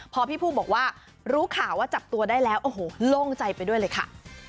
พอพี่ภูมิบอกว่ารู้ข่าวว่าจับตัวได้แล้วโอ้โหโล่งใจไปด้วยเลยค่ะ